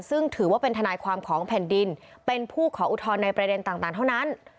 ซึ่งถือว่าเป็นทนายความของแผ่นดินเป็นผู้ขออุทธรณ์ในประเด็นต่างเท่านั้น